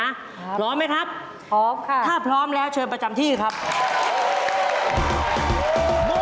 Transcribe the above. ครับพร้อมไหมครับถ้าพร้อมแล้วเชิญประจำที่ครับพร้อมค่ะ